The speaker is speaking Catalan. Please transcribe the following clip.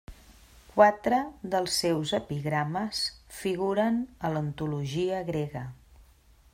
Quatre dels seus epigrames figuren a l'antologia grega.